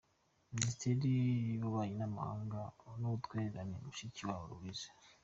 Minisitiri w’Ububanyi n’Amahanga n’Ubutwererane : Mushikiwabo Louise